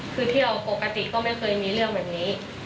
คือเที่ยวปกติก็ไม่เคยมีเรื่องแบบนี้